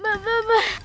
mbah mbah mbah